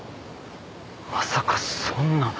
まさかそんな。